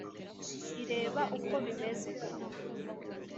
ireba uko bimeze